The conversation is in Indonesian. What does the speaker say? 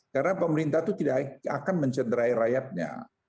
karena pemerintah itu tidak akan mencederai rakyatnya